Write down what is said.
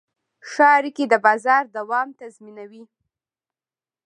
ښه اړیکې د بازار دوام تضمینوي.